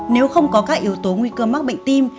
nếu không có các yếu tố nguy cơ mắc bệnh tim